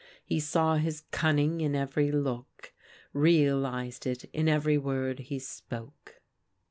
He saw his cunning in every look, real ized it in every word he spoke.